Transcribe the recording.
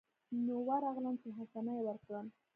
نو ورغلم چې حسنه يې ورکړم.